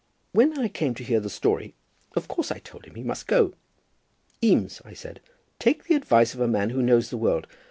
"When I came to hear the story, of course I told him that he must go. 'Eames,' I said, 'take the advice of a man who knows the world.